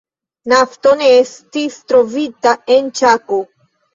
Nafto ne estis trovita en Ĉako.